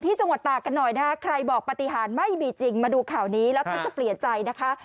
จังหวัดตากกันหน่อยนะคะใครบอกปฏิหารไม่มีจริงมาดูข่าวนี้แล้วท่านจะเปลี่ยนใจนะคะ